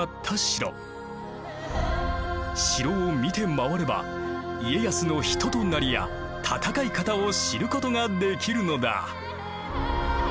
城を見て回れば家康の人となりや戦い方を知ることができるのだ。